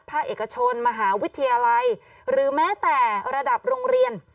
ภาคเอกชนมหาวิทยาลัยหรือแม้แต่ระดับโรงเรียน